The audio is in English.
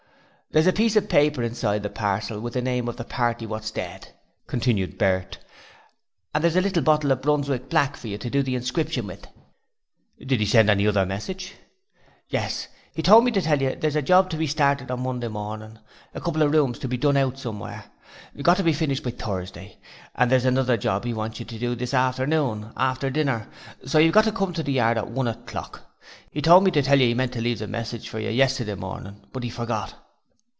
'There's a piece of paper inside the parcel with the name of the party what's dead,' continued Bert, 'and here's a little bottle of Brunswick black for you to do the inscription with.' 'Did he send any other message?' 'Yes: he told me to tell you there's a job to be started Monday morning a couple of rooms to be done out somewhere. Got to be finished by Thursday; and there's another job 'e wants you to do this afternoon after dinner so you've got to come to the yard at one o'clock. 'E told me to tell you 'e meant to leave a message for you yesterday morning, but 'e forgot.'